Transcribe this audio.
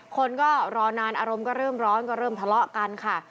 คนก็รอนานอารมณ์ก็เริ่มร้อนก็เริ่มทะเลาะกันค่ะ